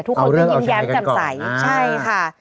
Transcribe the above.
ทุกคนก็ยิ้มแย้มจำใสใช่ค่ะ